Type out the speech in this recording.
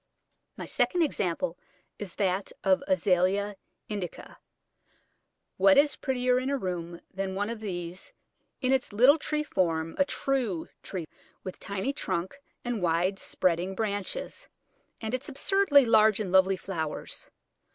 My second example is that of Azalea indica. What is prettier in a room than one of these in its little tree form, a true tree, with tiny trunk and wide spreading branches, and its absurdly large and lovely flowers?